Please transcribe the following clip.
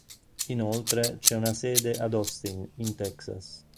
Inoltre, c'è una sede ad Austin, in Texas.